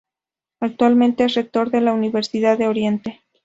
Actualmente es rector de la Universidad de Oriente.